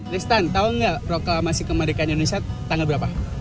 lestan tau gak proklamasi kemerdekaan indonesia tanggal berapa